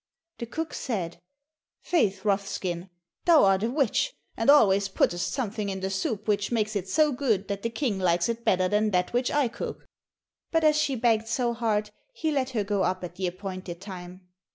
The cook said, "Faith rough skin, thou art a witch, and always puttest something in the soup which makes it so good that the King likes it better than that which I cook," but as she begged so hard, he let her go up at the appointed time.